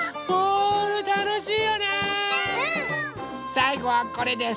さいごはこれです。